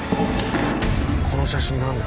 この写真何だ？